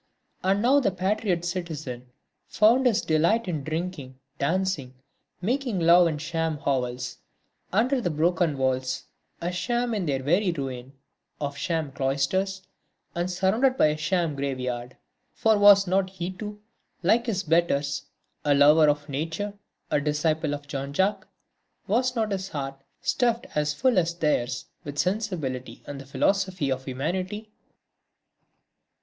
And now the patriot citizen found his delight in drinking, dancing, making love in sham hovels, under the broken vaults, a sham in their very ruin, of sham cloisters and surrounded by a sham graveyard; for was not he too, like his betters, a lover of nature, a disciple of Jean Jacques? was not his heart stuffed as full as theirs with sensibility and the philosophy of humanity?